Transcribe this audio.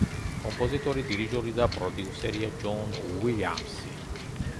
კომპოზიტორი, დირიჟორი და პროდიუსერია ჯონ უილიამსი.